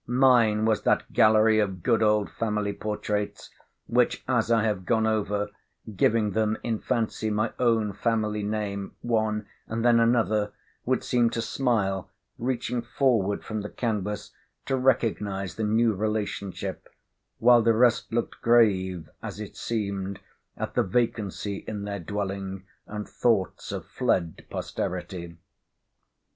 Mine was that gallery of good old family portraits, which as I have gone over, giving them in fancy my own family name, one—and then another—would seem to smile, reaching forward from the canvas, to recognise the new relationship; while the rest looked grave, as it seemed, at the vacancy in their dwelling, and thoughts of fled posterity.